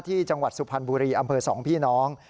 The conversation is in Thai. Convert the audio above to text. จังหวัดสุพรรณบุรีอำเภอ๒พี่น้อง